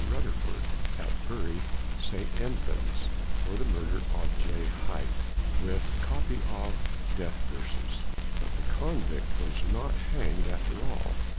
Rutterford, at Bury St. Edmunds, for the murder of J. Hight, with copy of "Death verses." But the convict was NOT hanged after all.